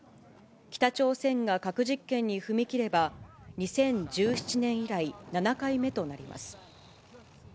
北朝鮮が核実験に踏み切れば、２０１７年以来７回目となります。